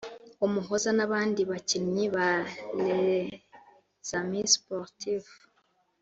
Umuhoza n’abandi bakinnyi ba Les Amis Sportifs